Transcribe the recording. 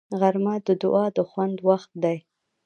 غرمه د دعا د خوند وخت دی